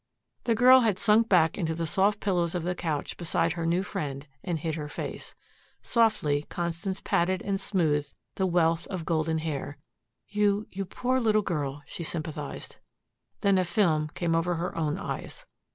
The girl had sunk back into the soft pillows of the couch beside her new friend and hid her face. Softly Constance patted and smoothed the wealth of golden hair. "You you poor little girl," she sympathized. Then a film came over her own eyes.